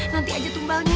nanti aja tumbalnya